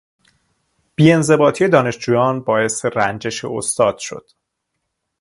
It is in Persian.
بیانضباطی دانشجویان باعث رنجش استاد شد.